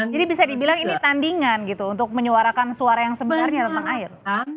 jadi bisa dibilang ini tandingan gitu untuk menyuarakan suara yang sebenarnya tentang air